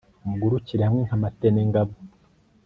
mugurukire hamwe nka matenengabo